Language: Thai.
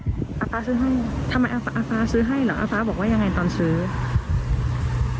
ทำไมอาฟ้าซื้อให้หรออาฟ้าบอกว่ายังไงตอนซื้อ